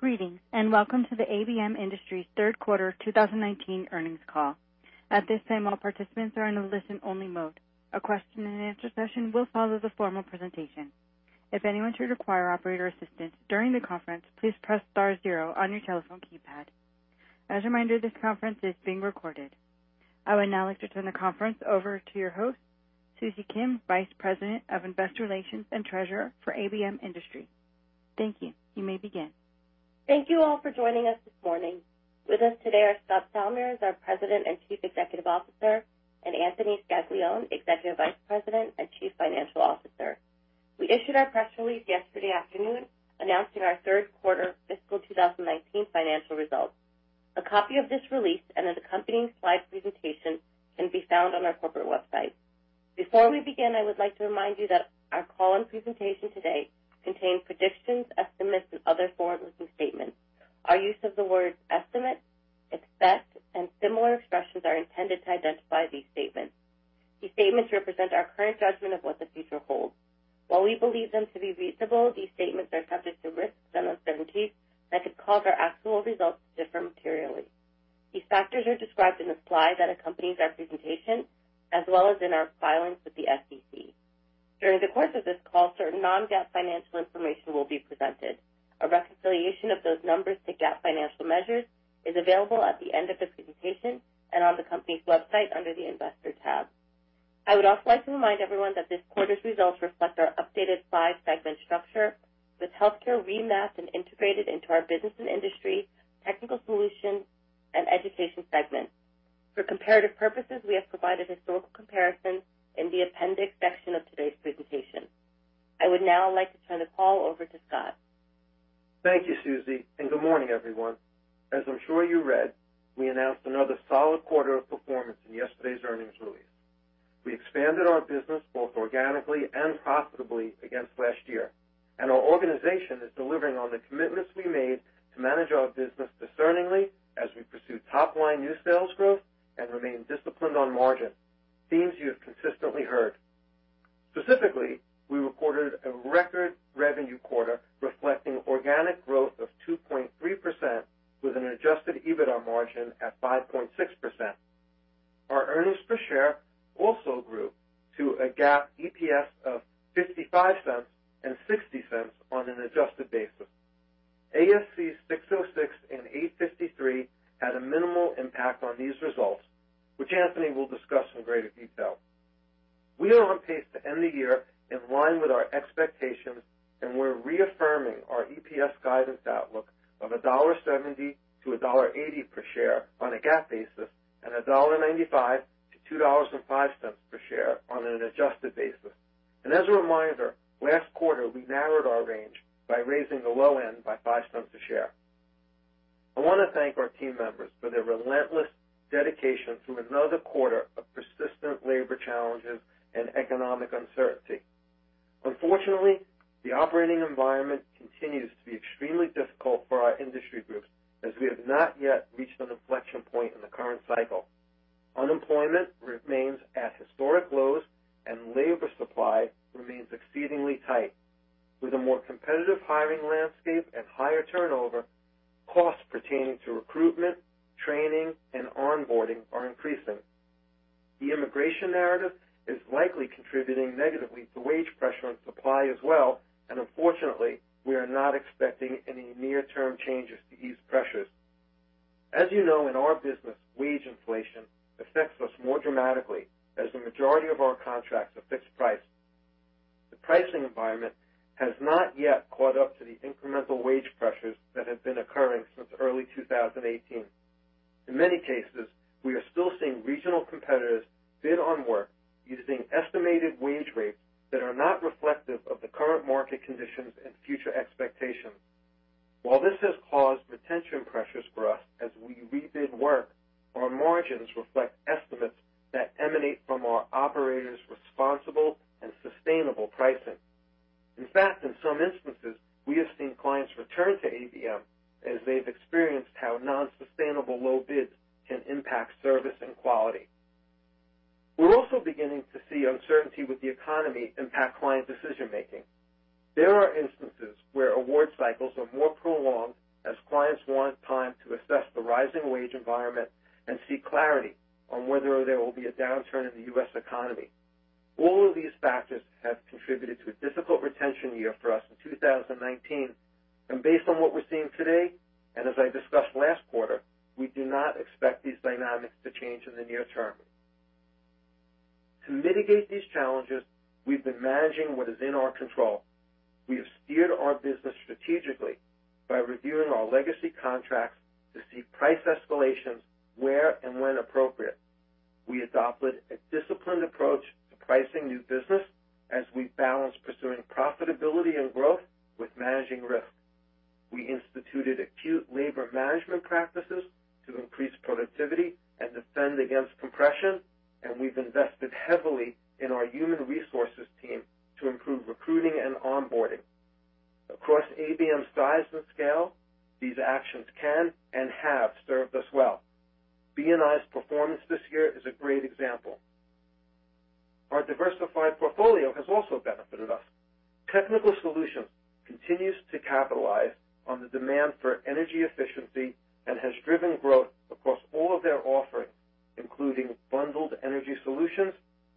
Greetings, and welcome to the ABM Industries third quarter 2019 earnings call. At this time, all participants are in a listen-only mode. A question-and-answer session will follow the formal presentation. If anyone should require operator assistance during the conference, please press star zero on your telephone keypad. As a reminder, this conference is being recorded. I would now like to turn the conference over to your host, Susie Kim, Vice President of Investor Relations and Treasurer for ABM Industries. Thank you. You may begin. Thank you all for joining us this morning. With us today are Scott Salmirs, our President and Chief Executive Officer, and Anthony Scaglione, Executive Vice President and Chief Financial Officer. We issued our press release yesterday afternoon announcing our third quarter fiscal 2019 financial results. A copy of this release and an accompanying slide presentation can be found on our corporate website. Before we begin, I would like to remind you that our call and presentation today contain predictions, estimates, and other forward-looking statements. Our use of the words "estimate," "expect," and similar expressions are intended to identify these statements. These statements represent our current judgment of what the future holds. While we believe them to be reasonable, these statements are subject to risks and uncertainties that could cause our actual results to differ materially. These factors are described in the slide that accompanies our presentation as well as in our filings with the SEC. During the course of this call, certain non-GAAP financial information will be presented. A reconciliation of those numbers to GAAP financial measures is available at the end of the presentation and on the company's website under the Investor tab. I would also like to remind everyone that this quarter's results reflect our updated five-segment structure, with healthcare remapped and integrated into our Business & Industry, Technical Solutions, and Education segments. For comparative purposes, we have provided historical comparisons in the appendix section of today's presentation. I would now like to turn the call over to Scott. Thank you, Susie, and good morning, everyone. As I'm sure you read, we announced another solid quarter of performance in yesterday's earnings release. We expanded our business both organically and profitably against last year, and our organization is delivering on the commitments we made to manage our business discerningly as we pursue top-line new sales growth and remain disciplined on margin, themes you have consistently heard. Specifically, we reported a record revenue quarter reflecting organic growth of 2.3% with an adjusted EBITDA margin at 5.6%. Our earnings per share also grew to a GAAP EPS of $0.55 and $0.60 on an adjusted basis. ASC 606 and 853 had a minimal impact on these results, which Anthony will discuss in greater detail. We are on pace to end the year in line with our expectations. We're reaffirming our EPS guidance outlook of $1.70-$1.80 per share on a GAAP basis and $1.95-$2.05 per share on an adjusted basis. As a reminder, last quarter, we narrowed our range by raising the low end by $0.05 a share. I want to thank our team members for their relentless dedication through another quarter of persistent labor challenges and economic uncertainty. Unfortunately, the operating environment continues to be extremely difficult for our industry groups as we have not yet reached an inflection point in the current cycle. Unemployment remains at historic lows. Labor supply remains exceedingly tight. With a more competitive hiring landscape and higher turnover, costs pertaining to recruitment, training, and onboarding are increasing. The immigration narrative is likely contributing negatively to wage pressure on supply as well, and unfortunately, we are not expecting any near-term changes to these pressures. As you know, in our business, wage inflation affects us more dramatically as the majority of our contracts are fixed price. The pricing environment has not yet caught up to the incremental wage pressures that have been occurring since early 2018. In many cases, we are still seeing regional competitors bid on work using estimated wage rates that are not reflective of the current market conditions and future expectations. While this has caused retention pressures for us as we rebid work, our margins reflect estimates that emanate from our operators' responsible and sustainable pricing. In fact, in some instances, we have seen clients return to ABM as they've experienced how non-sustainable low bids can impact service and quality. We're also beginning to see uncertainty with the economy impact client decision-making. There are instances where award cycles are more prolonged as clients want time to assess the rising wage environment and seek clarity on whether there will be a downturn in the U.S. economy. All of these factors have contributed to a difficult retention year for us in 2019, and based on what we're seeing today, and as I discussed last quarter, we do not expect these dynamics to change in the near term. To mitigate these challenges, we've been managing what is in our control. We have steered our business strategically by reviewing our legacy contracts to see price escalations where and when appropriate. We adopted a disciplined approach to pricing new business as we balance pursuing profitability and growth with managing risk. We instituted acute labor management practices to increase productivity and defend against compression, and we've invested heavily in our human resources team to improve recruiting and onboarding. Across ABM's size and scale, these actions can and have served us well. B&I's performance this year is a great example. Our diversified portfolio has also benefited us. Technical Solutions continues to capitalize on the demand for energy efficiency and has driven growth across all of their offerings, including Bundled Energy Solutions,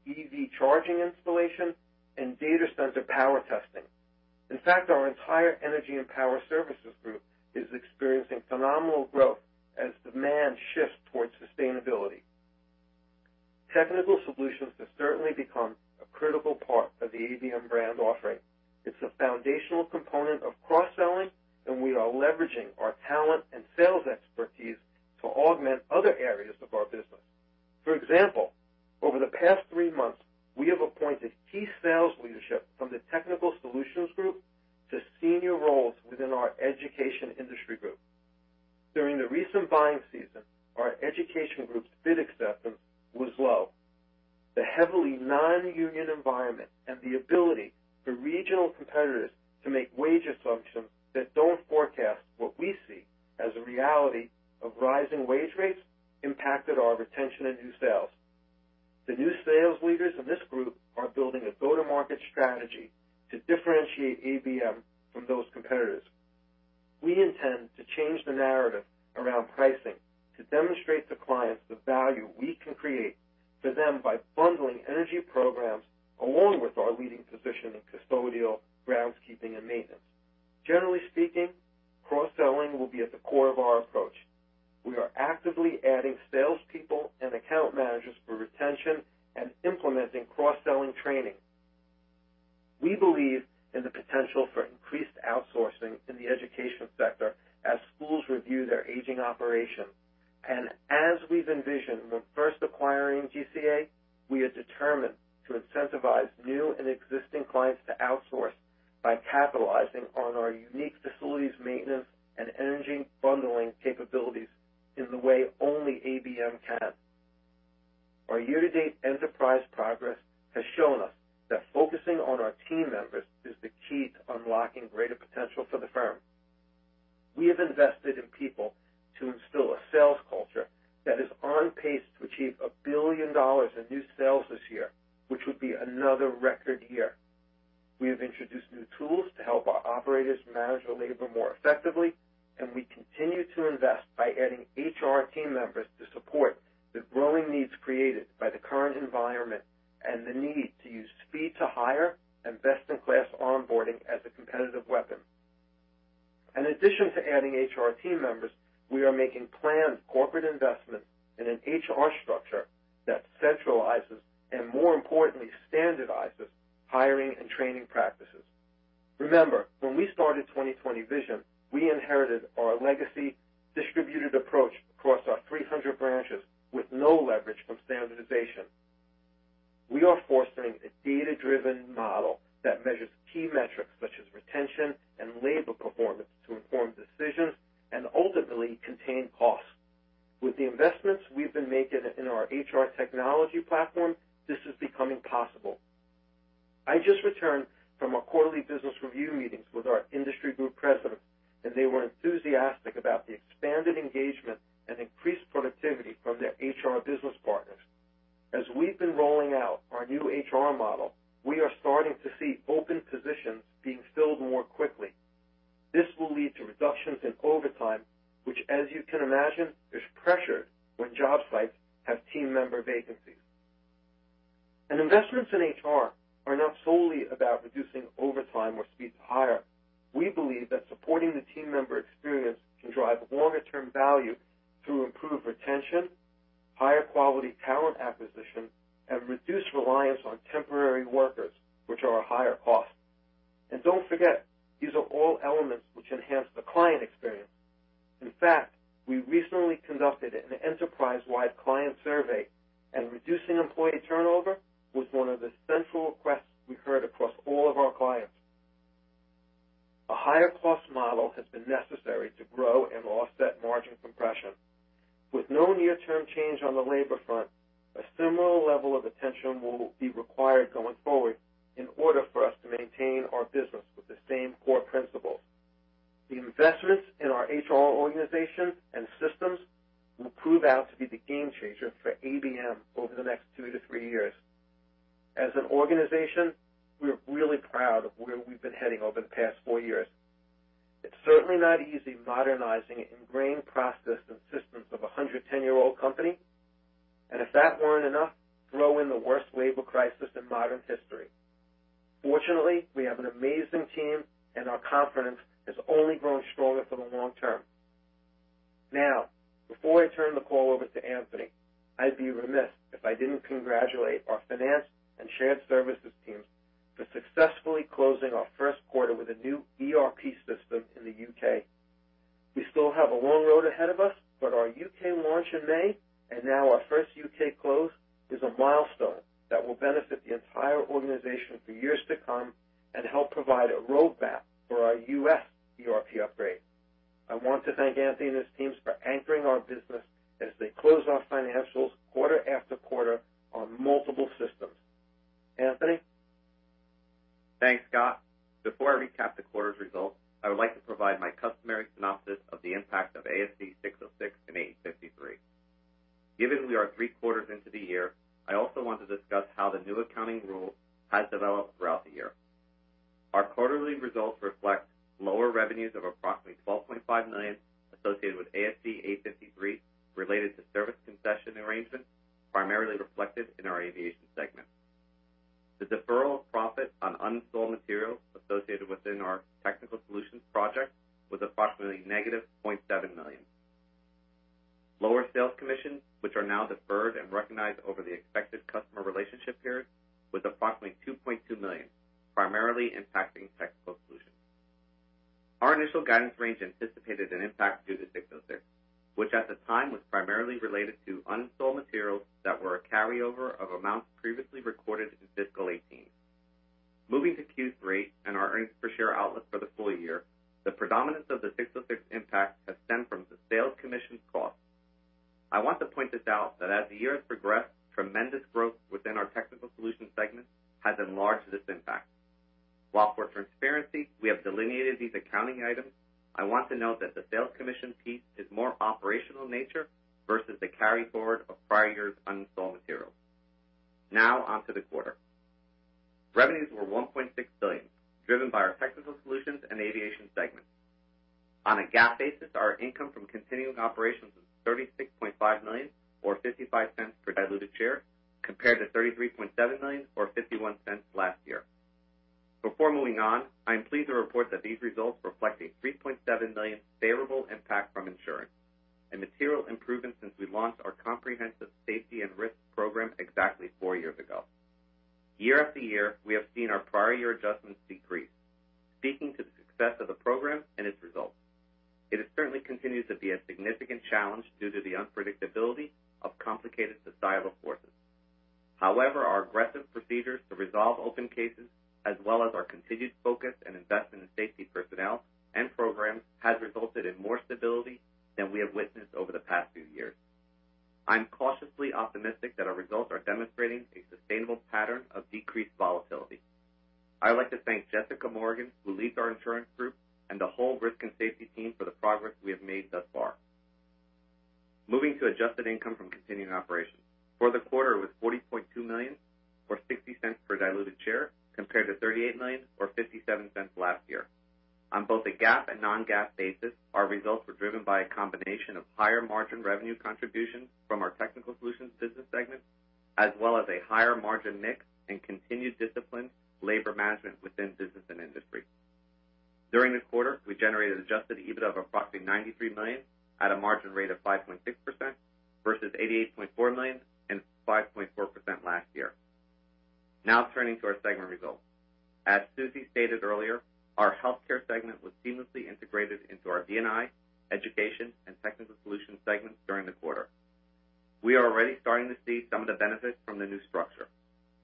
EV charging installation, and data center power testing. In fact, our entire energy and power services group is experiencing phenomenal growth as demand shifts towards sustainability. Technical Solutions has certainly become a critical part of the ABM brand offering. It's a foundational component of cross-selling, and we are leveraging our talent and sales expertise to augment other areas of our business. For example, over the past 3 months, we have appointed key sales leadership from the Technical Solutions to senior roles within our Education Industry Group. During the recent buying season, our Education Group's bid acceptance was low. The heavily non-union environment and the ability for regional competitors to make wage assumptions that don't forecast what we see as a reality of rising wage rates impacted our retention and new sales. The new sales leaders in this group are building a go-to-market strategy to differentiate ABM from those competitors. We intend to change the narrative around pricing to demonstrate to clients the value we can create for them by bundling energy programs along with our leading position in custodial groundskeeping and maintenance. Generally speaking, cross-selling will be at the core of our approach. We are actively adding salespeople and account managers for retention and implementing cross-selling training. We believe in the potential for increased outsourcing in the education sector as schools review their aging operations. As we've envisioned when first acquiring GCA, we are determined to incentivize new and existing clients to outsource by capitalizing on our unique facilities maintenance and energy bundling capabilities in the way only ABM can. Our year-to-date enterprise progress has shown us that focusing on our team members is the key to unlocking greater potential for the firm. We have invested in people to instill a sales culture that is on pace to achieve $1 billion in new sales this year, which would be another record year. We have introduced new tools to help our operators manage their labor more effectively, and we continue to invest by adding HR team members to support the growing needs created by the current environment and the need to use speed to hire and best-in-class onboarding as a competitive weapon. In addition to adding HR team members, we are making planned corporate investments in an HR structure that centralizes and, more importantly, standardizes hiring and training practices. Remember, when we started 2020 Vision, we inherited our legacy distributed approach across our 300 branches with no leverage from standardization. We are fostering a data-driven model that measures key metrics such as retention and labor performance to inform decisions and ultimately contain costs. With the investments we've been making in our HR technology platform, this is becoming possible. I just returned from our quarterly business review meetings with our industry group presidents. They were enthusiastic about the expanded engagement and increased productivity from their HR business partners. As we've been rolling out our new HR model, we are starting to see open positions being filled more quickly. This will lead to reductions in overtime, which, as you can imagine, is pressured when job sites have team member vacancies. Investments in HR are not solely about reducing overtime or speed to hire. We believe that supporting the team member experience can drive longer-term value through improved retention, higher quality talent acquisition, and reduced reliance on temporary workers, which are a higher cost. Don't forget, these are all elements which enhance the client experience. In fact, we recently conducted an enterprise-wide client survey, and reducing employee turnover was one of the central requests we heard across all of our clients. A higher cost model has been necessary to grow and offset margin compression. With no near-term change on the labor front, a similar level of attention will be required going forward in order for us to maintain our business with the same core principles. The investments in our HR organization and systems will prove out to be the game changer for ABM over the next 2 to 3 years. As an organization, we're really proud of where we've been heading over the past 4 years. It's certainly not easy modernizing ingrained process and systems of 110-year-old company. If that weren't enough, throw in the worst labor crisis in modern history. Fortunately, we have an amazing team, and our confidence has only grown stronger for the long term. Now, before I turn the call over to Anthony, I'd be remiss if I didn't congratulate our finance and shared services teams for successfully closing our first quarter with a new ERP system in the U.K. We still have a long road ahead of us, but our U.K. launch in May and now our first U.K. close is a milestone that will benefit the entire organization for years to come and help provide a roadmap for our U.S. ERP upgrade. I want to thank Anthony and his teams for anchoring our business as they close our financials quarter after quarter on multiple systems. Anthony? Thanks, Scott. Before I recap the quarter's results, I would like to provide my customary synopsis of the impact of ASC 606 and ASC 853. Given we are three quarters into the year, I also want to discuss how the new accounting rule has developed throughout the year. Our quarterly results reflect lower revenues of approximately $12.5 million associated with ASC 853 related to service concession arrangement, primarily reflected in our aviation segment. The deferral of profit on unsold materials associated within our Technical Solutions project was approximately negative $0.7 million. Lower sales commissions, which are now deferred and recognized over the expected customer relationship period, was approximately $2.2 million, primarily impacting Technical Solutions. Our initial guidance range anticipated an impact due to ASC 606, which at the time was primarily related to unsold materials that were a carryover of amounts previously recorded in fiscal 2018. Moving to Q3 and our earnings per share outlook for the full year, the predominance of the 606 impact has stemmed from the sales commission cost. I want to point this out that as the year has progressed, tremendous growth within our Technical Solutions segment has enlarged this impact. While for transparency, we have delineated these accounting items, I want to note that the sales commission piece is more operational in nature versus the carry-forward of prior years' unsold material. Onto the quarter. Revenues were $1.6 billion, driven by our Technical Solutions and Aviation segments. On a GAAP basis, our income from continuing operations was $36.5 million, or $0.55 per diluted share, compared to $33.7 million or $0.51 last year. Before moving on, I am pleased to report that these results reflect a $3.7 million favorable impact from insurance, a material improvement since we launched our comprehensive safety and risk program exactly four years ago. Year after year, we have seen our prior year adjustments decrease, speaking to the success of the program and its results. It certainly continues to be a significant challenge due to the unpredictability of complicated societal forces. However, our aggressive procedures to resolve open cases, as well as our continued focus and investment in safety personnel and programs, has resulted in more stability than we have witnessed over the past few years. I'm cautiously optimistic that our results are demonstrating a sustainable pattern of decreased volatility. I'd like to thank Jessica Morgan, who leads our insurance group, and the whole risk and safety team for the progress we have made thus far. Moving to adjusted income from continuing operations. For the quarter, it was $40.2 million or $0.60 per diluted share, compared to $38 million or $0.57 last year. On both a GAAP and non-GAAP basis, our results were driven by a combination of higher margin revenue contributions from our Technical Solutions business segment, as well as a higher margin mix and continued discipline labor management within Business & Industry. During the quarter, we generated adjusted EBITDA of approximately $93 million at a margin rate of 5.6% versus $88.4 million and 5.4% last year. Turning to our segment results. As Susie stated earlier, our healthcare segment was seamlessly integrated into our B&I, education, and Technical Solutions segments during the quarter. We are already starting to see some of the benefits from the new structure.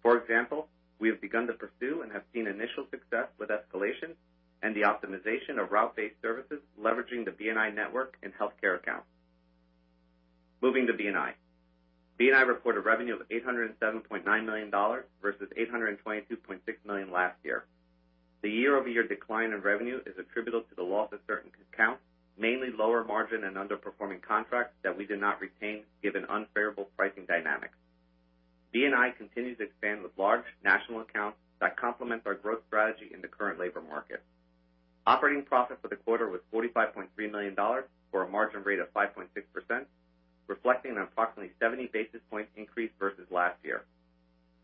For example, we have begun to pursue and have seen initial success with escalation and the optimization of route-based services leveraging the B&I network and healthcare accounts. Moving to B&I. B&I reported revenue of $807.9 million versus $822.6 million last year. The year-over-year decline in revenue is attributable to the loss of certain accounts, mainly lower margin and underperforming contracts that we did not retain given unfavorable pricing dynamics. B&I continues to expand with large national accounts that complement our growth strategy in the current labor market. Operating profit for the quarter was $45.3 million, or a margin rate of 5.6%, reflecting an approximately 70 basis point increase versus last year.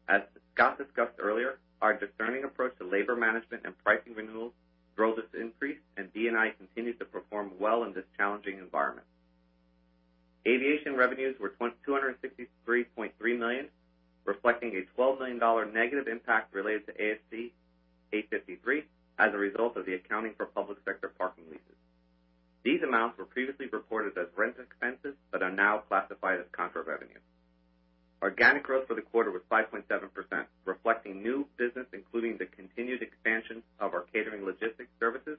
As Scott discussed earlier, our discerning approach to labor management and pricing renewals drove this increase, and B&I continued to perform well in this challenging environment. Aviation revenues were $263.3 million, reflecting a $12 million negative impact related to ASC 853 as a result of the accounting for public sector parking leases. These amounts were previously reported as rent expenses but are now classified as contra revenue. Organic growth for the quarter was 5.7%, reflecting new business, including the continued expansion of our catering logistics services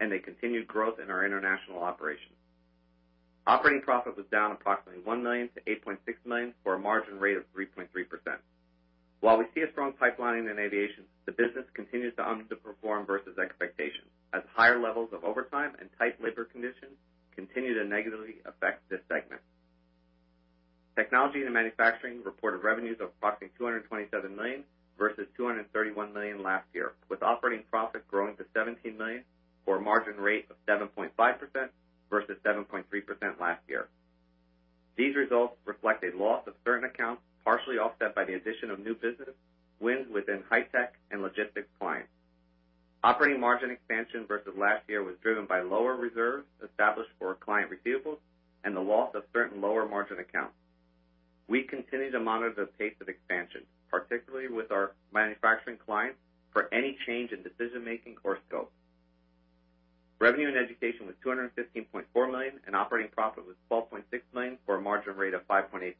and a continued growth in our international operations. Operating profit was down approximately $1 million to $8.6 million, or a margin rate of 3.3%. While we see a strong pipeline in aviation, the business continues to underperform versus expectations as higher levels of overtime and tight labor conditions continue to negatively affect this segment. Technology and Manufacturing reported revenues of approximately $227 million versus $231 million last year, with operating profit growing to $17 million or a margin rate of 7.5% versus 7.3% last year. These results reflect a loss of certain accounts, partially offset by the addition of new business wins within high-tech and logistics clients. Operating margin expansion versus last year was driven by lower reserves established for client receivables and the loss of certain lower margin accounts. We continue to monitor the pace of expansion, particularly with our manufacturing clients, for any change in decision making or scope. Revenue in Education was $215.4 million, and operating profit was $12.6 million or a margin rate of 5.8%,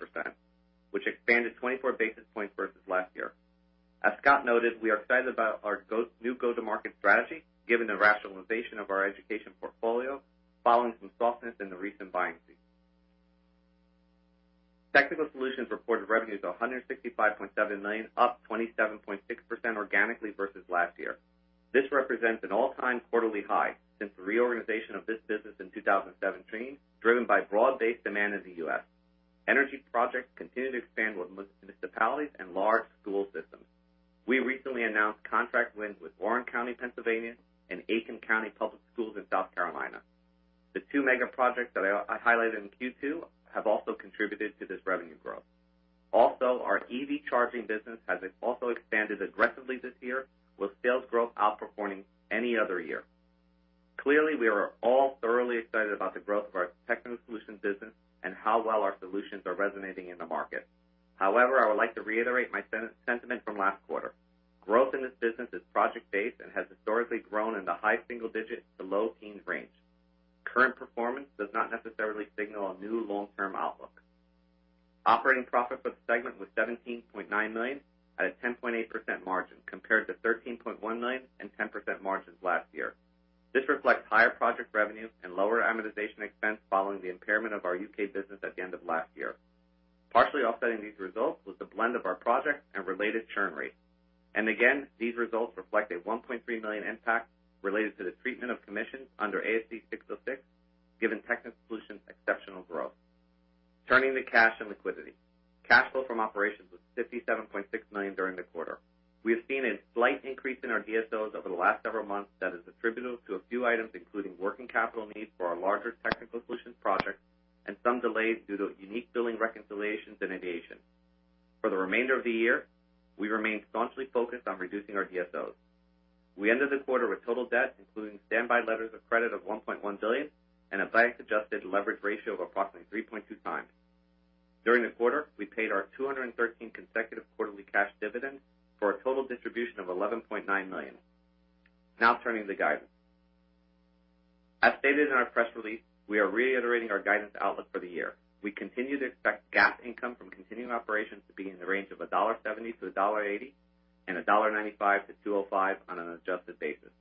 which expanded 24 basis points versus last year. As Scott noted, we are excited about our new go-to-market strategy given the rationalization of our Education portfolio following some softness in the recent buying season. Technical Solutions reported revenues of $165.7 million, up 27.6% organically versus last year. This represents an all-time quarterly high since the reorganization of this business in 2017, driven by broad-based demand in the U.S. Energy projects continue to expand with municipalities and large school systems. We recently announced contract wins with Warren County, Pennsylvania, and Aiken County Public Schools in South Carolina. The two mega projects that I highlighted in Q2 have also contributed to this revenue growth. Also, our EV charging business has also expanded aggressively this year, with sales growth outperforming any other year. Clearly, we are all thoroughly excited about the growth of our Technical Solutions business and how well our solutions are resonating in the market. However, I would like to reiterate my sentiment from last quarter. Growth in this business is project-based and has historically grown in the high single digits to low teens range. Current performance does not necessarily signal a new long-term outlook. Operating profit for the segment was $17.9 million at a 10.8% margin, compared to $13.1 million and 10% margins last year. This reflects higher project revenue and lower amortization expense following the impairment of our U.K. business at the end of last year. Partially offsetting these results was the blend of our projects and related churn rates. Again, these results reflect a $1.3 million impact related to the treatment of commissions under ASC 606, given Technical Solutions' exceptional growth. Turning to cash and liquidity. Cash flow from operations was $57.6 million during the quarter. We have seen a slight increase in our DSOs over the last several months that is attributable to a few items, including working capital needs for our larger Technical Solutions projects and some delays due to unique billing reconciliations and aviation. For the remainder of the year, we remain staunchly focused on reducing our DSOs. We ended the quarter with total debt, including standby letters of credit of $1.1 billion and a bank-adjusted leverage ratio of approximately 3.2 times. During the quarter, we paid our 213 consecutive quarterly cash dividend for a total distribution of $11.9 million. Now turning to guidance. As stated in our press release, we are reiterating our guidance outlook for the year. We continue to expect GAAP income from continuing operations to be in the range of $1.70-$1.80 and $1.95-$2.05 on an adjusted basis.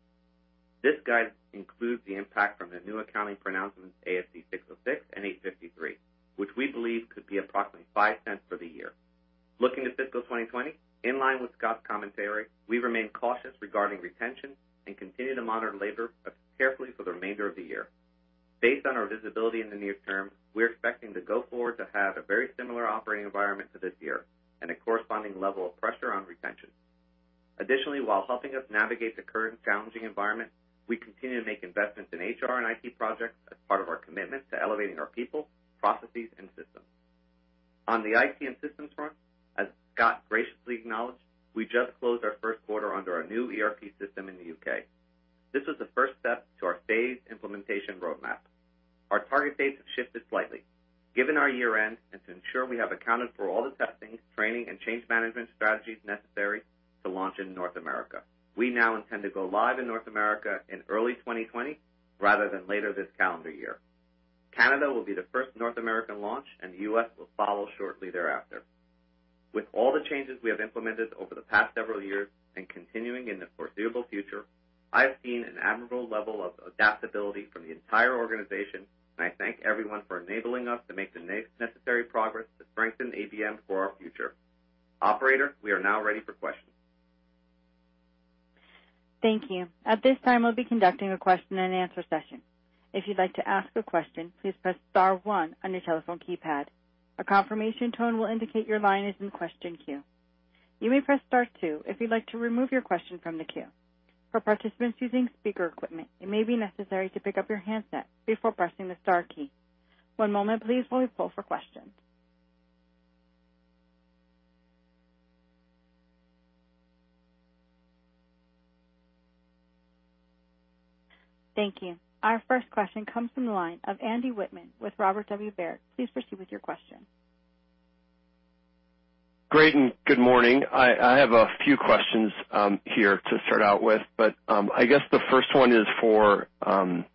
This guide includes the impact from the new accounting pronouncements ASC 606 and 853, which we believe could be approximately $0.05 for the year. Looking to fiscal 2020, in line with Scott's commentary, we remain cautious regarding retention and continue to monitor labor carefully for the remainder of the year. Based on our visibility in the near term, we're expecting the go-forward to have a very similar operating environment to this year and a corresponding level of pressure on retention. Additionally, while helping us navigate the current challenging environment, we continue to make investments in HR and IT projects as part of our commitment to elevating our people, processes, and systems. On the IT and systems front, as Scott graciously acknowledged, we just closed our first quarter under our new ERP system in the U.K. This was the first step to our phased implementation roadmap. Our target dates have shifted slightly. Given our year-end, and to ensure we have accounted for all the testing, training, and change management strategies necessary to launch in North America, we now intend to go live in North America in early 2020 rather than later this calendar year. Canada will be the first North American launch, and the U.S. will follow shortly thereafter. With all the changes we have implemented over the past several years and continuing in the foreseeable future, I have seen an admirable level of adaptability from the entire organization, and I thank everyone for enabling us to make the necessary progress to strengthen ABM for our future. Operator, we are now ready for questions. Thank you. At this time, we'll be conducting a question and answer session. If you'd like to ask a question, please press star one on your telephone keypad. A confirmation tone will indicate your line is in question queue. You may press star two if you'd like to remove your question from the queue. For participants using speaker equipment, it may be necessary to pick up your handset before pressing the star key. One moment please while we pull for questions. Thank you. Our first question comes from the line of Andy Wittmann with Robert W. Baird. Please proceed with your question. Great, good morning. I have a few questions here to start out with, but I guess the first one is for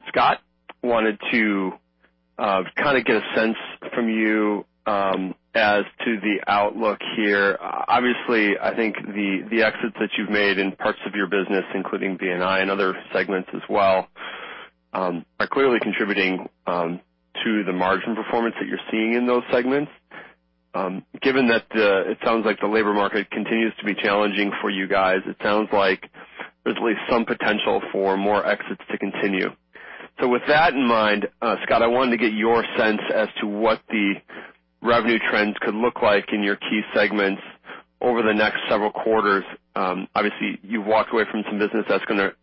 Scott. Wanted to kind of get a sense from you as to the outlook here. Obviously, I think the exits that you've made in parts of your business, including B&I and other segments as well, are clearly contributing to the margin performance that you're seeing in those segments. Given that it sounds like the labor market continues to be challenging for you guys, it sounds like there's at least some potential for more exits to continue. With that in mind, Scott, I wanted to get your sense as to what the revenue trends could look like in your key segments over the next several quarters. Obviously, you've walked away from some business that's going to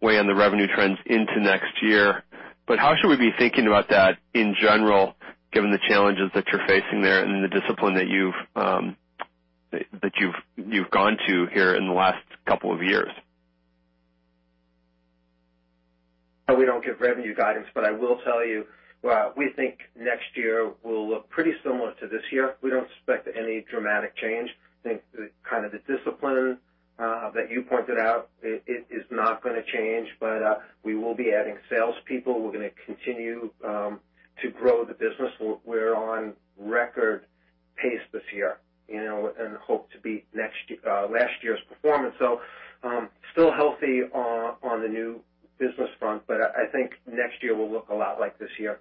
weigh on the revenue trends into next year. How should we be thinking about that in general, given the challenges that you're facing there and the discipline that you've gone to here in the last couple of years? We don't give revenue guidance, but I will tell you, we think next year will look pretty similar to this year. We don't expect any dramatic change. I think the discipline that you pointed out is not going to change, but we will be adding salespeople. We're going to continue to grow the business. We're on record pace this year and hope to beat last year's performance. Still healthy on the new business front, but I think next year will look a lot like this year.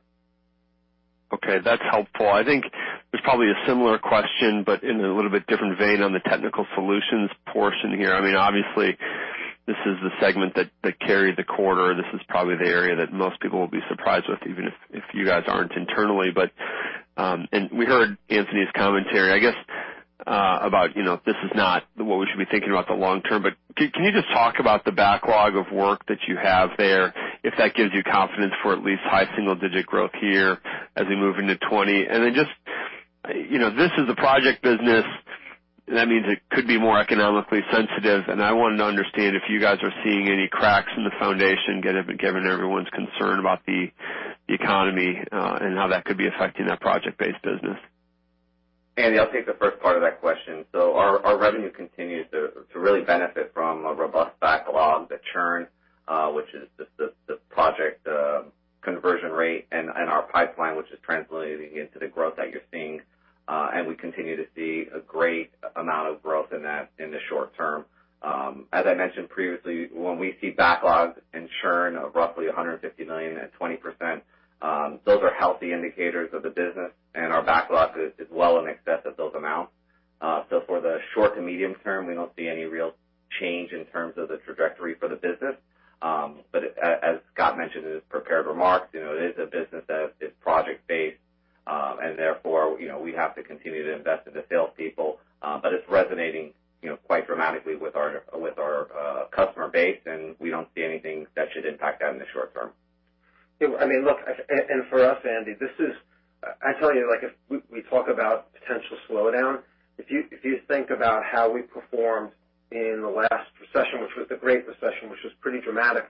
Okay, that's helpful. I think there's probably a similar question, but in a little bit different vein on the Technical Solutions portion here. Obviously, this is the segment that carried the quarter. This is probably the area that most people will be surprised with, even if you guys aren't internally. We heard Anthony's commentary, I guess, about this is not what we should be thinking about the long term, but can you just talk about the backlog of work that you have there, if that gives you confidence for at least high single-digit growth here as we move into 2020? This is a project business. That means it could be more economically sensitive, and I wanted to understand if you guys are seeing any cracks in the foundation, given everyone's concern about the economy, and how that could be affecting that project-based business. Andy, I'll take the first part of that question. Our revenue continues to really benefit from a robust backlog, the churn, which is the project conversion rate, and our pipeline, which is translating into the growth that you're seeing. We continue to see a great amount of growth in that in the short term. As I mentioned previously, when we see backlogs and churn of roughly $150 million at 20%, those are healthy indicators of the business, and our backlog is well in excess of those amounts. For the short to medium term, we don't see any real change in terms of the trajectory for the business. As Scott mentioned in his prepared remarks, it is a business that is project-based, and therefore, we have to continue to invest in the salespeople. It's resonating quite dramatically with our customer base, and we don't see anything that should impact that in the short term. Look, for us, Andy, I tell you, if we talk about potential slowdown, if you think about how we performed in the last recession, which was the Great Recession, which was pretty dramatic.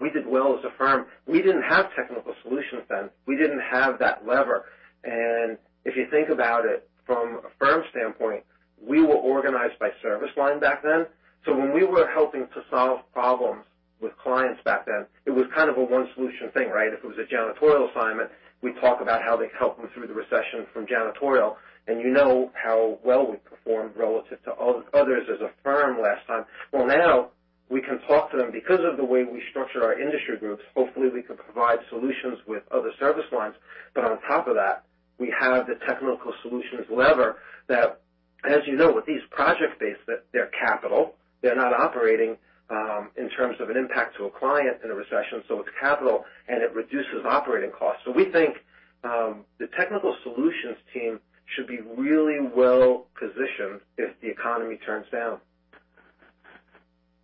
We did well as a firm. We didn't have Technical Solutions then. We didn't have that lever. If you think about it from a firm standpoint, we were organized by service line back then. When we were helping to solve problems with clients back then, it was kind of a one solution thing, right? If it was a janitorial assignment, we'd talk about how they helped them through the recession from janitorial, you know how well we performed relative to others as a firm last time. Now we can talk to them because of the way we structure our industry groups. Hopefully, we can provide solutions with other service lines. On top of that, we have the Technical Solutions lever that, as you know, with these project-based, they're capital. They're not operating, in terms of an impact to a client in a recession. It's capital, and it reduces operating costs. We think the Technical Solutions team should be really well-positioned if the economy turns down.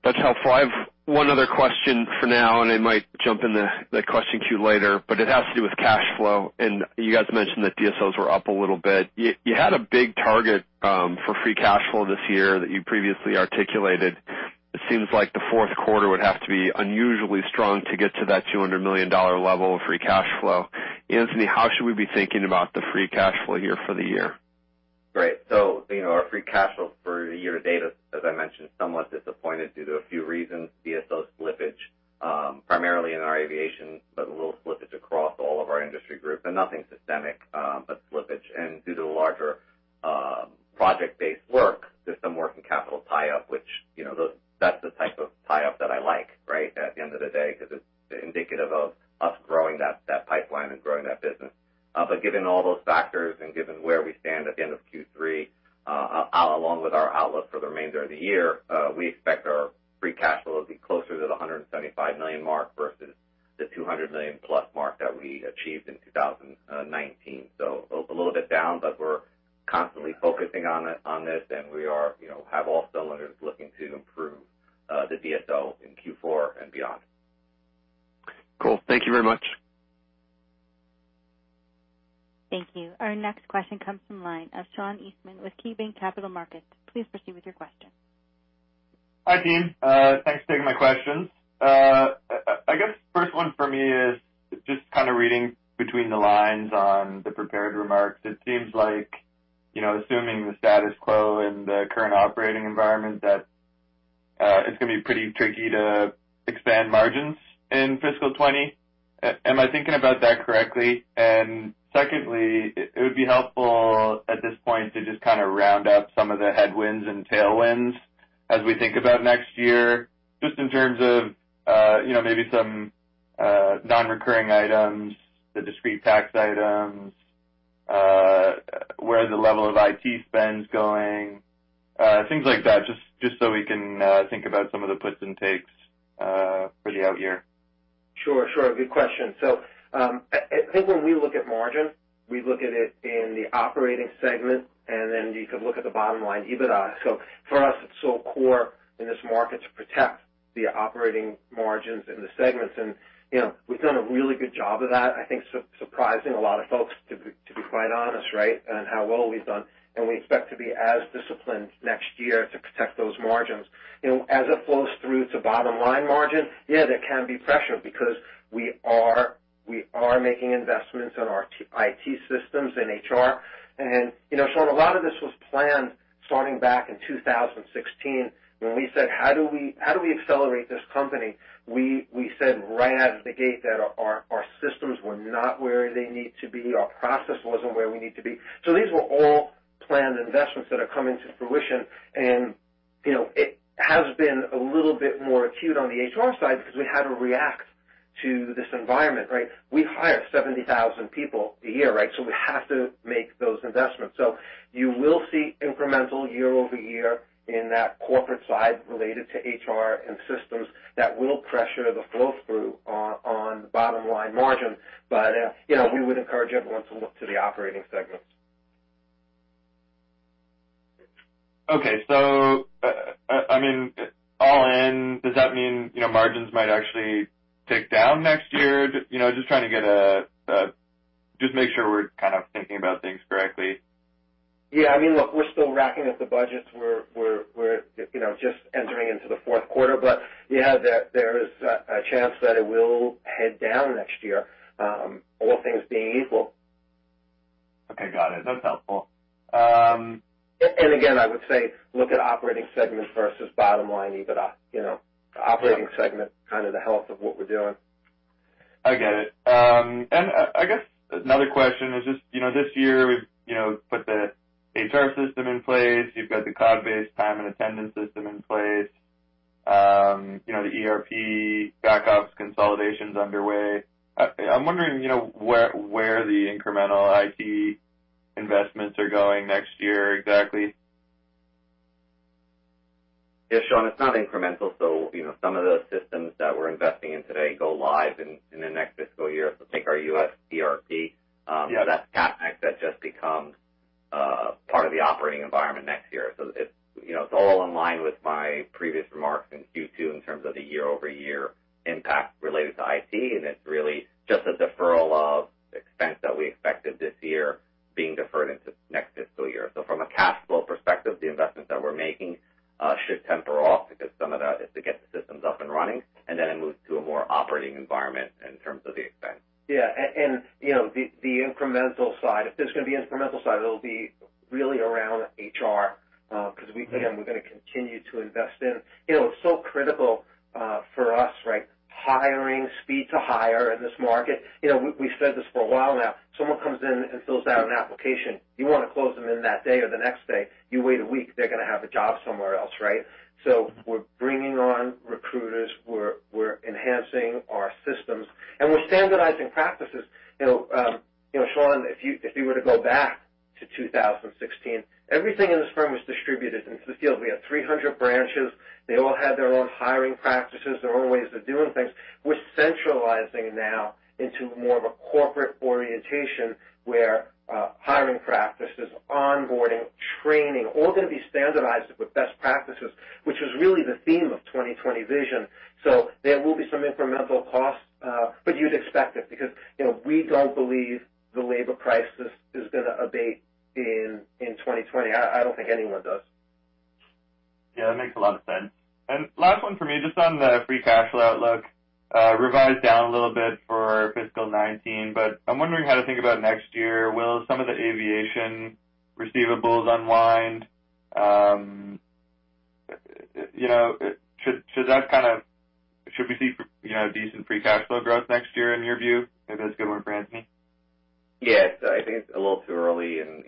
That's helpful. I have one other question for now, and it might jump in the question queue later, but it has to do with cash flow. You guys mentioned that DSOs were up a little bit. You had a big target for free cash flow this year that you previously articulated. It seems like the fourth quarter would have to be unusually strong to get to that $200 million level of free cash flow. Anthony, how should we be thinking about the free cash flow here for the year? Right. Our free cash flow for the year to date, as I mentioned, somewhat disappointed due to a few reasons. DSO slippage, primarily in our aviation, but a little slippage across all of our industry groups, nothing systemic, but slippage. Due to larger project-based work, there's some working capital tie-up, which that's the type of tie-up that I like at the end of the day, because it's indicative of us growing that pipeline and growing that business. Given all those factors and given where we stand at the end of Q3, along with our outlook for the remainder of the year, we expect our free cash flow to be closer to the $175 million mark versus the $200 million-plus mark that we achieved in 2019. A little bit down, but we're constantly focusing on this, and we have all cylinders looking to improve the DSO in Q4 and beyond. Cool. Thank you very much. Thank you. Our next question comes from the line of Sean Eastman with KeyBanc Capital Markets. Please proceed with your question. Hi, team. Thanks for taking my questions. I guess first one for me is just kind of reading between the lines on the prepared remarks. It seems like assuming the status quo in the current operating environment, that it's going to be pretty tricky to expand margins in fiscal 2020. Am I thinking about that correctly? Secondly, it would be helpful at this point to just kind of round up some of the headwinds and tailwinds as we think about next year, just in terms of maybe some non-recurring items, the discrete tax items, where the level of IT spend's going, things like that, just so we can think about some of the puts and takes for the out year. Sure. Good question. I think when we look at margin, we look at it in the operating segment, and then you could look at the bottom line EBITDA. For us, it's so core in this market to protect the operating margins in the segments. We've done a really good job of that. I think surprising a lot of folks, to be quite honest, on how well we've done. We expect to be as disciplined next year to protect those margins. As it flows through to bottom-line margin, yeah, there can be pressure because we are making investments in our IT systems and HR. Sean, a lot of this was planned starting back in 2016 when we said, "How do we accelerate this company?" We said right out of the gate that our systems were not where they need to be, our process wasn't where we need to be. These were all planned investments that are coming to fruition. It has been a little bit more acute on the HR side because we had to react to this environment. We hire 70,000 people a year. We have to make those investments. You will see incremental year-over-year in that corporate side related to HR and systems that will pressure the flow-through on bottom-line margin. We would encourage everyone to look to the operating segments. Okay. All in, does that mean margins might actually tick down next year? Just trying to make sure we're thinking about things correctly. Yeah. Look, we're still racking up the budgets. We're just entering into the fourth quarter. Yeah, there is a chance that it will head down next year, all things being equal. Okay, got it. That's helpful. Again, I would say, look at operating segments versus bottom line, EBITDA. Operating segment, kind of the health of what we're doing. I get it. I guess another question is just, this year, we've put the HR system in place. You've got the cloud-based time and attendance system in place. The ERP backups consolidation's underway. I'm wondering where the incremental IT investments are going next year exactly. Yeah, Sean, it's not incremental. Some of the systems that we're investing in today go live in the next fiscal year. Take our U.S. ERP. Yeah. That's CapEx that just becomes part of the operating environment next year. It's all in line with my previous remarks in Q2 in terms of the year-over-year impact related to IT, and it's really just a deferral of expense that we expected this year being deferred into next fiscal year. From a cash flow perspective, the investments that we're making should temper off because some of that is to get the systems up and running, and then it moves to a more operating environment in terms of the expense. Yeah. The incremental side, if there's going to be incremental side, it'll be really around HR. Again, we're going to continue to invest in. It's so critical for us. Hiring, speed to hire in this market. We've said this for a while now. Someone comes in and fills out an application, you want to close them in that day or the next day. You wait a week, they're going to have a job somewhere else. We're bringing on recruiters, we're enhancing our systems, and we're standardizing practices. Sean, if you were to go back to 2016, everything in this firm was distributed in the field. We had 300 branches. They all had their own hiring practices, their own ways of doing things. We're centralizing now into more of a corporate orientation where hiring practices, onboarding, training, all going to be standardized with best practices, which was really the theme of 2020 Vision. There will be some incremental costs, but you'd expect it because we don't believe the labor crisis is going to abate in 2020. I don't think anyone does. Yeah, that makes a lot of sense. Last one for me, just on the free cash flow outlook. Revised down a little bit for fiscal 2019, I'm wondering how to think about next year. Will some of the aviation receivables unwind? Should we see decent free cash flow growth next year in your view? Maybe that's a good one for Anthony. I think it's a little too early, and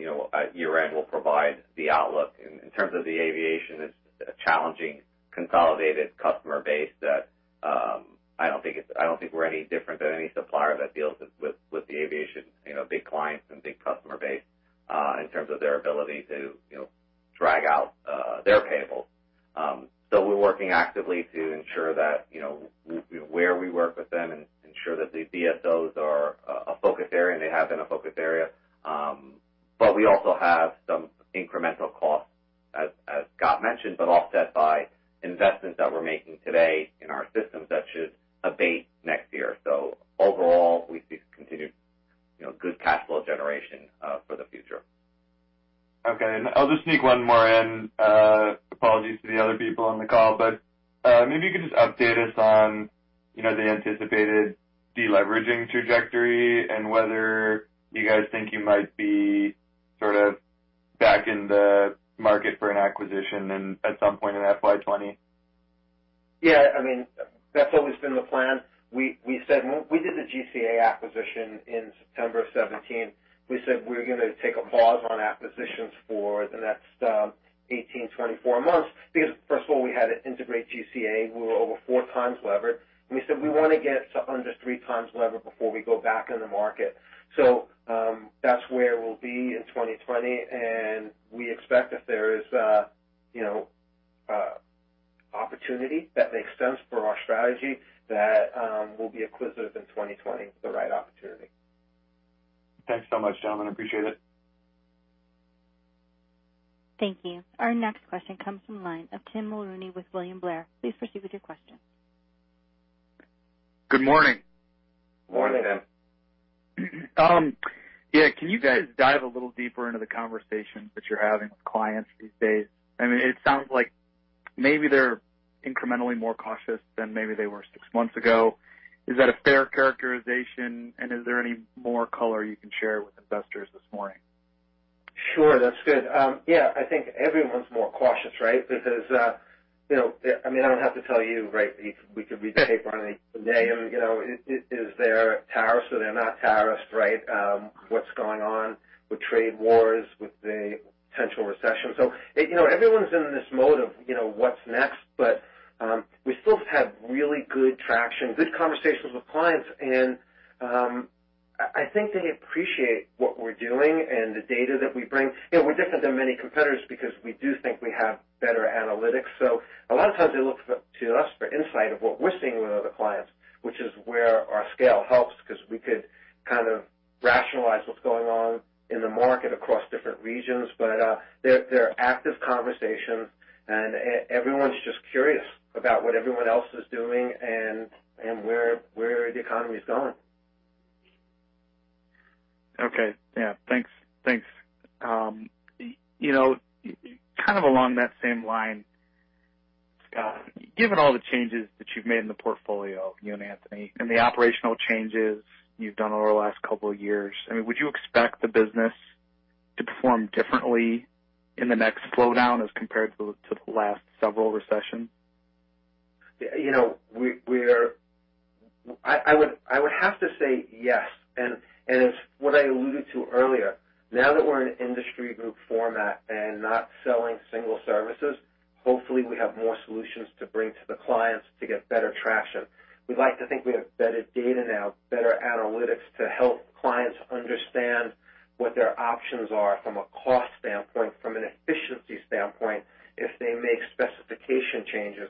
year-end will provide the outlook. In terms of the aviation, it's a challenging consolidated customer base that I don't think we're any different than any supplier that deals with the aviation, big clients and big customer base, in terms of their ability to drag out their payables. We're working actively to ensure that where we work with them and ensure that the DSO are a focus area, and they have been a focus area. We also have some incremental costs, as Scott mentioned, but offset by investments that we're making today in our systems that should abate next year. Overall, we see continued good cash flow generation for the future. Okay. I'll just sneak one more in. Apologies to the other people on the call, maybe you could just update us on the anticipated de-leveraging trajectory and whether you guys think you might be sort of back in the market for an acquisition in at some point in FY 2020. Yeah. That's always been the plan. We did the GCA acquisition in September of 2017. We said we were going to take a pause on acquisitions for the next 18 to 24 months because, first of all, we had to integrate GCA. We were over four times levered, and we said we want to get to under three times lever before we go back in the market. That's where we'll be in 2020, and we expect if there is opportunity that makes sense for our strategy, that we'll be acquisitive in 2020 for the right opportunity. Thanks so much, gentlemen. Appreciate it. Thank you. Our next question comes from the line of Tim Mulrooney with William Blair. Please proceed with your question. Good morning. Morning, Tim. Yeah. Can you guys dive a little deeper into the conversation that you're having with clients these days? It sounds like maybe they're incrementally more cautious than maybe they were six months ago. Is that a fair characterization, and is there any more color you can share with investors this morning? Sure. That's good. Yeah, I think everyone's more cautious. I don't have to tell you, right? We could read the paper on any day. Is there tariffs, are there not tariffs, right? What's going on with trade wars, with the potential recession? Everyone's in this mode of what's next, but we still have really good traction, good conversations with clients, and I think they appreciate what we're doing and the data that we bring. We're different than many competitors because we do think we have better analytics. A lot of times they look to us for insight of what we're seeing with other clients, which is where our scale helps, because we could kind of rationalize what's going on in the market across different regions. There are active conversations, and everyone's just curious about what everyone else is doing and where the economy is going. Okay. Yeah. Thanks. Kind of along that same line, Scott, given all the changes that you've made in the portfolio, you and Anthony, and the operational changes you've done over the last couple of years, would you expect the business to perform differently in the next slowdown as compared to the last several recessions? I would have to say yes, and it's what I alluded to earlier. We're in industry group format and not selling single services, hopefully we have more solutions to bring to the clients to get better traction. We'd like to think we have better data now, better analytics to help clients understand what their options are from a cost standpoint, from an efficiency standpoint, if they make specification changes.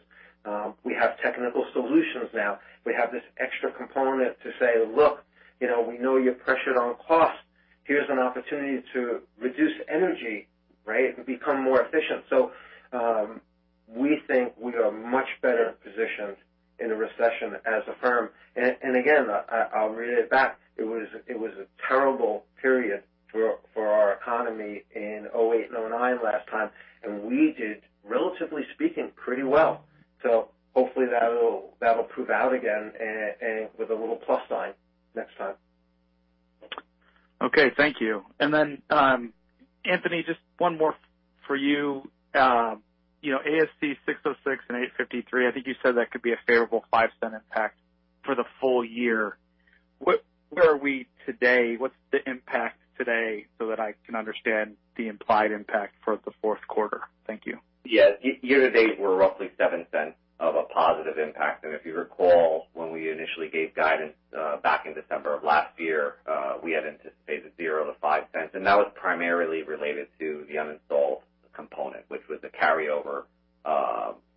We have Technical Solutions now. We have this extra component to say, "Look, we know you're pressured on cost. Here's an opportunity to reduce energy, right? Become more efficient." We think we are much better positioned in a recession as a firm. I'll reiterate that. It was a terrible period for our economy in 2008 and 2009 last time, and we did, relatively speaking, pretty well. Hopefully that'll prove out again and with a little plus sign next time. Okay. Thank you. Then, Anthony, just one more for you. ASC 606 and 853, I think you said that could be a favorable $0.05 impact for the full year. Where are we today? What's the impact today, so that I can understand the implied impact for the fourth quarter? Thank you. Yeah. Year to date, we're roughly $0.07 of a positive impact. If you recall, when we initially gave guidance, back in December of last year, we had anticipated $0.00-$0.05, and that was primarily related to the uninstalled component, which was a carryover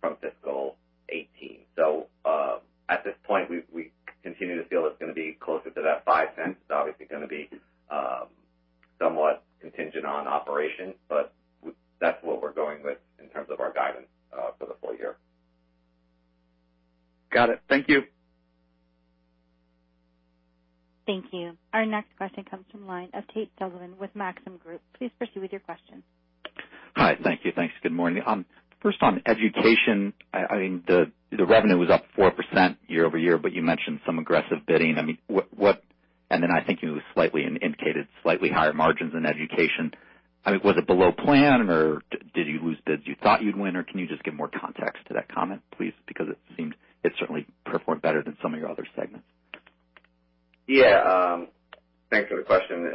from fiscal 2018. At this point, we continue to feel it's going to be closer to that $0.05. It's obviously going to be somewhat contingent on operations, but that's what we're going with in terms of our guidance for the full year. Got it. Thank you. Thank you. Our next question comes from the line of Tate Sullivan with Maxim Group. Please proceed with your question. Hi. Thank you. Thanks. Good morning. First on Education, the revenue was up 4% year-over-year. You mentioned some aggressive bidding. Then I think you indicated slightly higher margins in Education. Was it below plan, or did you lose bids you thought you'd win, or can you just give more context to that comment, please? It seems it certainly performed better than some of your other segments. Thanks for the question.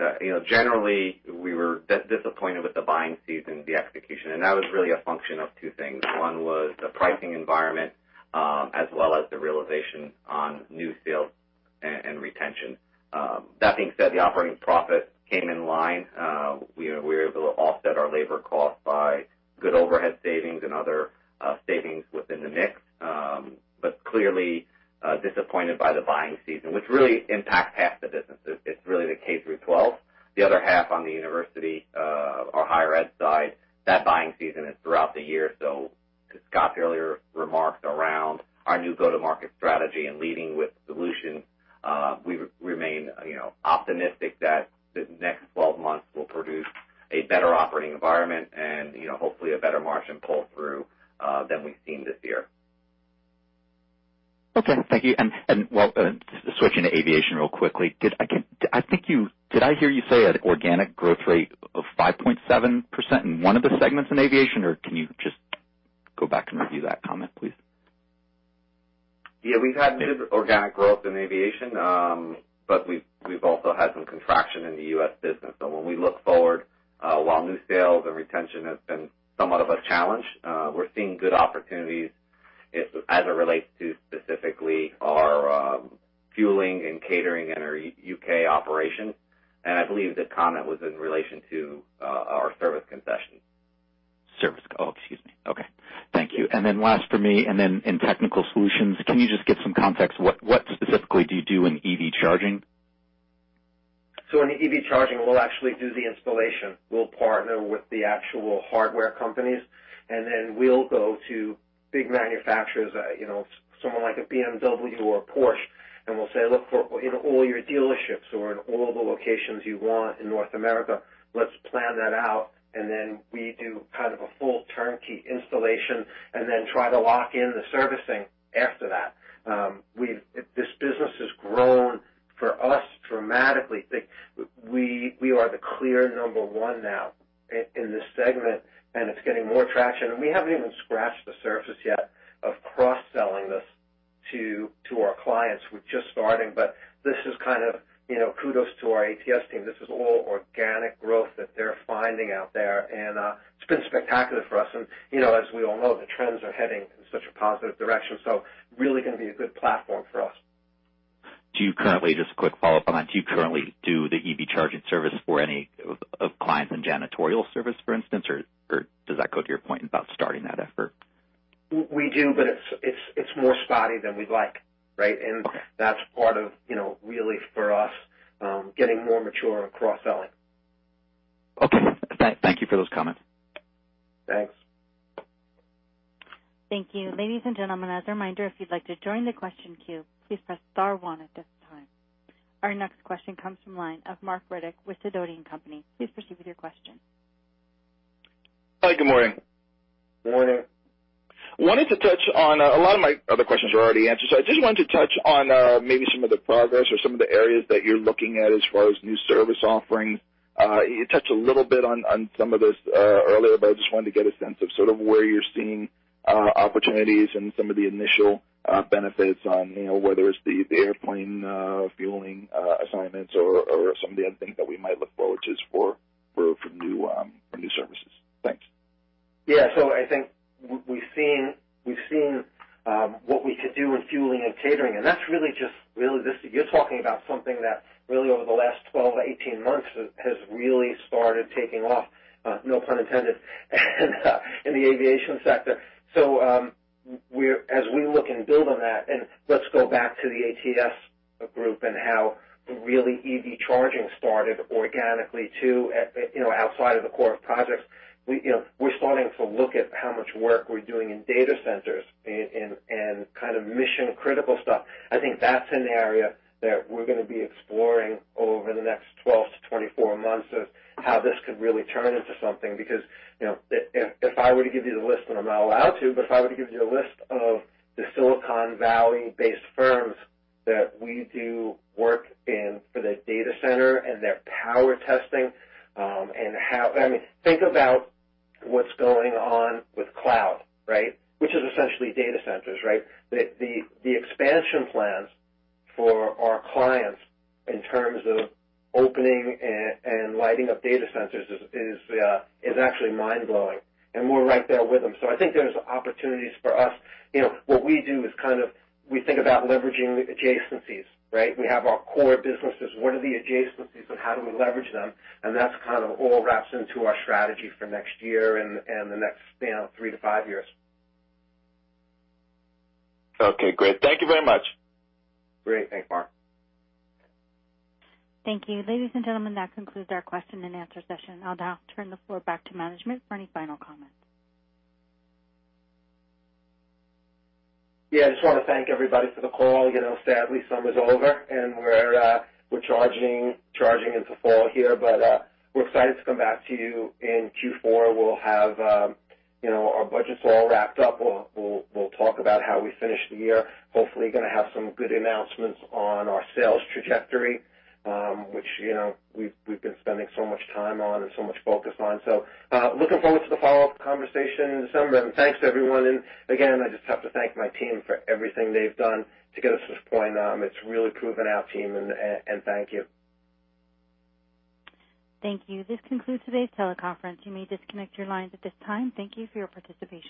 Generally, we were disappointed with the buying season, the execution, and that was really a function of two things. One was the pricing environment, as well as the realization on new sales and retention. That being said, the operating profit came in line. We were able to offset our labor cost by good overhead savings and other savings within the mix. Clearly, disappointed by the buying season, which really impacts half the business. It's really the K through 12. The other half on the university, or higher ed side, that buying season is throughout the year. To Scott's earlier remarks around our new go-to-market strategy and leading with solutions, we remain optimistic that the next 12 months will produce a better operating environment and hopefully a better margin pull through, than we've seen this year. Okay. Thank you. Well, switching to aviation real quickly. Did I hear you say an organic growth rate of 5.7% in one of the segments in aviation, or can you just go back and review that comment, please? Yeah, we've had good organic growth in aviation, but we've also had some contraction in the U.S. business. When we look forward, while new sales and retention has been somewhat of a challenge, we're seeing good opportunities as it relates to specifically our fueling and catering in our U.K. operation. I believe the comment was in relation to our service concessions. Service. Oh, excuse me. Okay. Thank you. Last for me, and then in Technical Solutions, can you just give some context, what specifically do you do in EV charging? In EV charging, we'll actually do the installation. We'll partner with the actual hardware companies, and then we'll go to big manufacturers, someone like a BMW or a Porsche, and we'll say, "Look, in all your dealerships or in all the locations you want in North America, let's plan that out." We do kind of a full turnkey installation and then try to lock in the servicing after that. This business has grown for us, dramatically, we are the clear number 1 now in this segment, and it's getting more traction. We haven't even scratched the surface yet of cross-selling this to our clients. We're just starting, but this is kudos to our ATS team. This is all organic growth that they're finding out there. It's been spectacular for us. As we all know, the trends are heading in such a positive direction, so really going to be a good platform for us. Do you currently, just a quick follow-up on that, do you currently do the EV charging service for any of clients in janitorial service, for instance, or does that go to your point about starting that effort? We do, but it's more spotty than we'd like, right? That's part of really for us, getting more mature at cross-selling. Okay. Thank you for those comments. Thanks. Thank you. Ladies and gentlemen, as a reminder, if you'd like to join the question queue, please press star one at this time. Our next question comes from line of Marc Riddick with Sidoti & Company. Please proceed with your question. Hi, good morning. Morning. Wanted to touch on, a lot of my other questions were already answered, so I just wanted to touch on maybe some of the progress or some of the areas that you're looking at as far as new service offerings. You touched a little bit on some of those earlier, but I just wanted to get a sense of sort of where you're seeing opportunities and some of the initial benefits on whether it's the airplane fueling assignments or some of the other things that we might look forward to for new services. Thanks. I think we've seen what we could do in fueling and catering, and that's really just You're talking about something that really over the last 12 to 18 months has really started taking off, no pun intended, in the aviation sector. As we look and build on that, and let's go back to the ATS group and how really EV charging started organically, too, outside of the core projects. We're starting to look at how much work we're doing in data centers and kind of mission-critical stuff. I think that's an area that we're going to be exploring over the next 12 to 24 months of how this could really turn into something. If I were to give you the list, and I'm not allowed to, but if I were to give you a list of the Silicon Valley-based firms that we do work in for their data center and their power testing. I mean, think about what's going on with cloud, right? Which is essentially data centers, right? The expansion plans for our clients in terms of opening and lighting up data centers is actually mind-blowing. We're right there with them. I think there's opportunities for us. What we do is kind of, we think about leveraging adjacencies, right? We have our core businesses. What are the adjacencies, and how do we leverage them? That's kind of all wraps into our strategy for next year and the next 3 to 5 years. Okay, great. Thank you very much. Great. Thanks, Marc. Thank you. Ladies and gentlemen, that concludes our question and answer session. I'll now turn the floor back to management for any final comments. I just want to thank everybody for the call. Sadly, summer's over, and we're charging into fall here. We're excited to come back to you in Q4. We'll have our budgets all wrapped up. We'll talk about how we finish the year. Hopefully going to have some good announcements on our sales trajectory, which we've been spending so much time on and so much focus on. Looking forward to the follow-up conversation in December. Thanks to everyone. Again, I just have to thank my team for everything they've done to get us to this point. It's really proven our team and thank you. Thank you. This concludes today's teleconference. You may disconnect your lines at this time. Thank you for your participation.